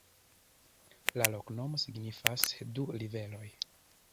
La loknomo signifas: du riveroj.